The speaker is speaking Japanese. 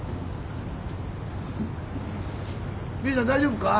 美羽ちゃん大丈夫か？